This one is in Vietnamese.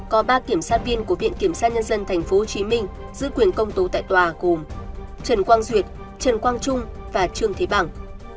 có ba kiểm sát viên của viện kiểm sát nhân dân tp hcm giữ quyền công tố tại tòa gồm trần quang duyệt trần quang trung và trương thế bằng